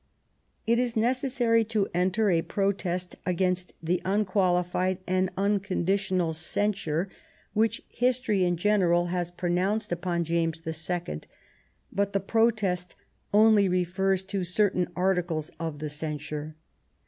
It is necessary to enter a protest against the unqualified and unconditional censure which his tory in general has pronounced upon James the Second, but the protest only refers to certain articles of the censure.